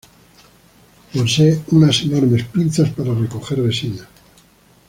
Posee unas enormes pinzas para recoger resina.